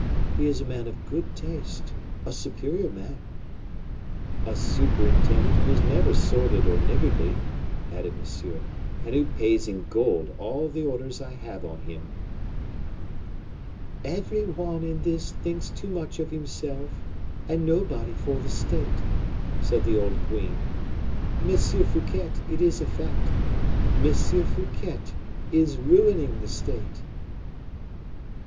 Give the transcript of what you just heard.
He is a man of good taste, a superior man." "A superintendent who is never sordid or niggardly," added Monsieur; "and who pays in gold all the orders I have on him." "Every one in this thinks too much of himself, and nobody for the state," said the old queen. "M. Fouquet, it is a fact, M. Fouquet is ruining the state."